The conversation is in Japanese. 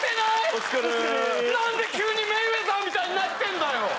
お疲れ何で急にメイウェザーみたいになってんだよ